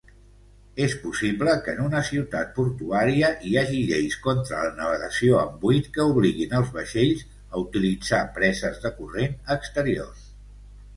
És possible que en una ciutat portuària hi hagi lleis contra la navegació en buit que obliguin els vaixells a utilitzar preses de corrent exteriors.